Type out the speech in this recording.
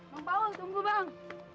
bang paul tunggu bang